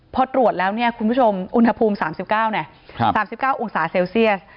พอตรวจแล้วเนี่ยคุณผู้ชมอุณหภูมิ๓๙๓๙องศาเซลเซียส